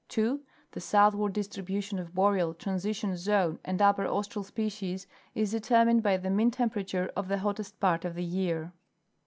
(2) The southward distribution of Boreal, Transition zone, and Upper Austral species is determined by the mean temperature of the hottest part of the year.